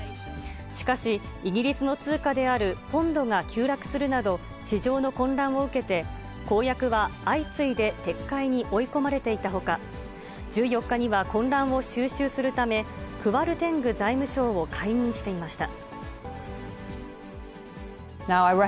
しかし、イギリスの通貨であるポンドが急落するなど、市場の混乱を受けて、公約が相次いで撤回に追い込まれていたほか、１４日には混乱を収拾するため、クワルテング財務相を解任していました。